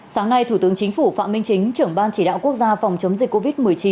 sáng nay thủ tướng chính phủ phạm minh chính trưởng ban chỉ đạo quốc gia phòng chống dịch covid một mươi chín